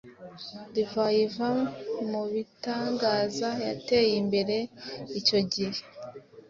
Divayi iva mubitangaza yateye imbere icyo gihe